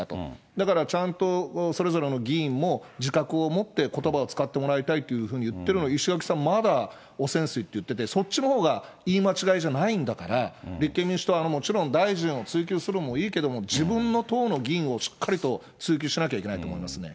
だからちゃんと、それぞれの議員も自覚を持ってことばを使ってもらいたいというふうに言ってるのに、石垣さん、まだ汚染水って言ってて、そっちのほうが言い間違いじゃないんだから、立憲民主党はもちろん大臣を追及するのもいいけども、自分の党の議員をしっかりと追及しなきゃいけないと思いますね。